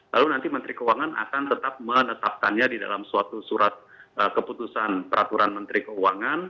lalu nanti menteri keuangan akan tetap menetapkannya di dalam suatu surat keputusan peraturan menteri keuangan